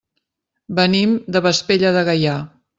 Venim de Vespella de Gaià.